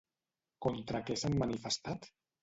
Contra què s'han manifestat?